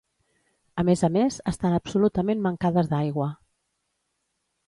A més a més estan absolutament mancades d'aigua.